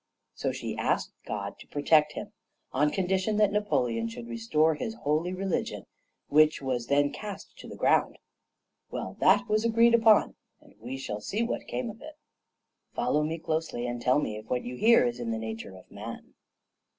So she asked God to protect him, on condition that Napoleon should restore His holy religion, which was then cast to the ground. Well, that was agreed upon, and we shall see what came of it. "Follow me closely, and tell me if what you hear is in the nature or man.